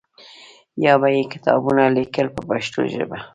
یا به یې کتابونه لیکل په پښتو ژبه.